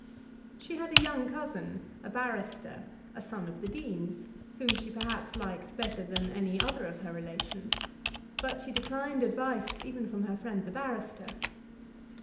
She had a young cousin, a barrister, a son of the dean's, whom she perhaps liked better than any other of her relations, but she declined advice even from her friend the barrister.